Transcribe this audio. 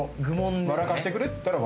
笑かしてくれっていったら笑